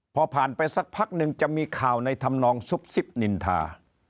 พอผ่านไปสักพักหนึ่งจะมีข่าวในธรรมนองซุบซิบนินทา